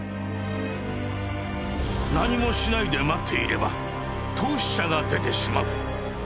「何もしないで待っていれば凍死者が出てしまう」。